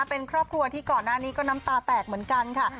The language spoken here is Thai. เป็นครอบครัวที่ก่อนหน้านี้ก็น้ำตาแตกเหมือนกันค่ะ